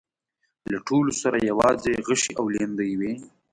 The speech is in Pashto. له ټولو سره يواځې غشي او ليندۍ وې.